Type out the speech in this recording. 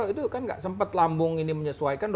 itu kan nggak sempat lambung ini menyesuaikan